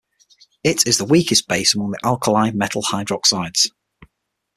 It is the weakest base among the alkali metal hydroxides.